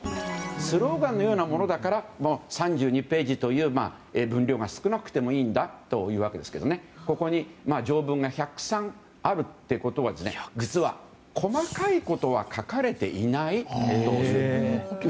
スローガンのようなものだから３２ページという分量が少なくてもいいんだというわけなんですけどここに条文が１０３あるということは実は細かいことは書かれていないということ。